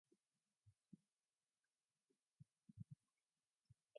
Meanwhile, the band promoted their "Progress Live" which featured Price as musical director.